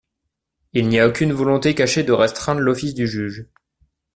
Il n’y a aucune volonté cachée de restreindre l’office du juge.